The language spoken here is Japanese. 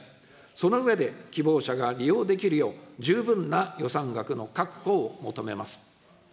その上で希望者が利用できるよう、十分な予算額の確保を求めます。